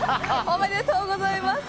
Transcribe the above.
おめでとうございます。